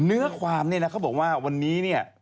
เนื้อความเนี่ยนะเขาบอกว่าวันนี้เนี่ย